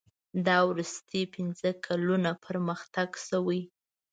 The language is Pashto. دا وروستي پنځه کلونه پرمختګ شوی.